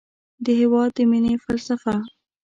د هېواد د مینې فلسفه